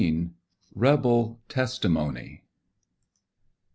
REBEL TESTIMONY.